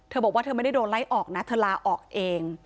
บอกว่าเธอไม่ได้โดนไล่ออกนะเธอลาออกเอง